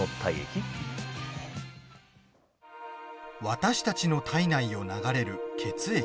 私たちの体内を流れる血液。